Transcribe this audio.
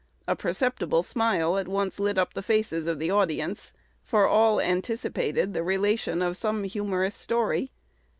A perceptible smile at once lit up the faces of the audience, for all anticipated the relation of some humorous story.